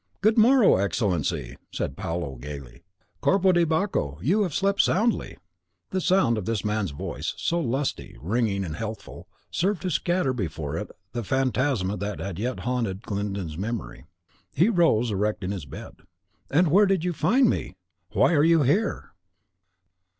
"Good morrow, Excellency!" said Paolo, gayly. "Corpo di Bacco, you have slept soundly!" The sound of this man's voice, so lusty, ringing, and healthful, served to scatter before it the phantasma that yet haunted Glyndon's memory. He rose erect in his bed. "And where did you find me? Why are you here?"